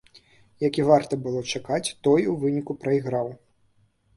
Як і варта было чакаць, той у выніку прайграў.